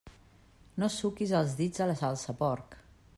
No suquis els dits a la salsa, porc!